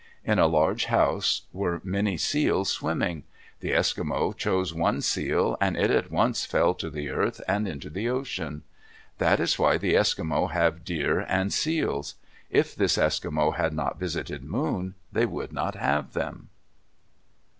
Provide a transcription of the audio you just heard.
In a large house were many seals swimming. The Eskimo chose one seal and it at once fell to the earth and into the ocean. That is why the Eskimo have deer and seals. If this Eskimo had not visited Moon, they would not have them.